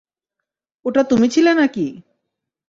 ওটা তুমি ছিলে নাকি?